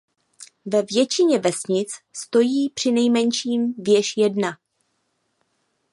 Ve většině vesnic stojí přinejmenším věž jedna.